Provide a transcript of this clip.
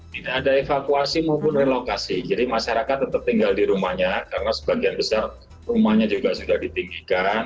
tidak ada evakuasi maupun relokasi jadi masyarakat tetap tinggal di rumahnya karena sebagian besar rumahnya juga sudah ditinggikan